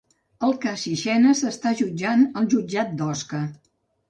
El cas Sixena s'està jutjant al jutjat d'Osca